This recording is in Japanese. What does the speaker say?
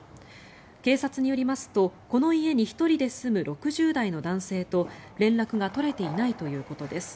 警察によりますとこの家に１人で住む６０代の男性と連絡が取れていないということです。